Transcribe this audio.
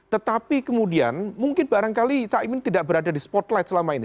tetapi kemudian mungkin barangkali caimin tidak berada di spotlight selama ini